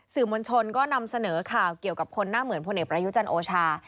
สื่อมวลชนก็นำเสนอข่าวเกี่ยวกับคนหน้าเหมือนพลเอกประยุจันทร์โอชา